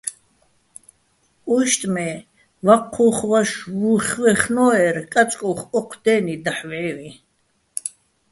უჲშტ მე́, ვაჴჴუ́ხ ვაშო̆ ვუხ ვაჲხნორ-ე́, კაწკუ́ხ ოჴ დე́ნი დაჰ̦ ვჵე́ვიჼ.